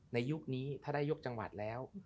ยุคนี้ถ้าได้ยกจังหวัดแล้ว